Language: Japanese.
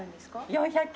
４００曲！